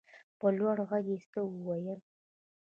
په لوړ غږ يې څه وويل.